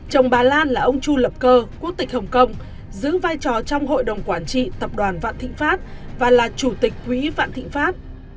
chồng bà lan là ông chu lập cơ quốc tịch hồng kông giữ vai trò trong hội đồng quản trị tập đoàn vạn thịnh pháp và là chủ tịch quỹ vạn thịnh pháp